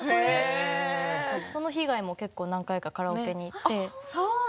その日以外も結構何回かカラオケに行って。